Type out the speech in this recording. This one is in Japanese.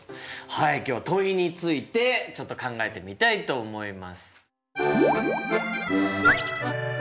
はい今日は問いについてちょっと考えてみたいと思います。